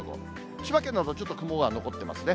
千葉県など、ちょっと雲が残ってますね。